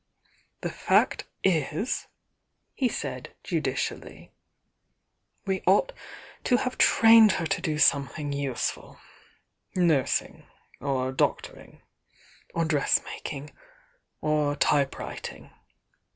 "The fact is," he said, judicially, "we ought to have trained her to do something useful. Nursing, or doctoring, or dressmaking, or type writing.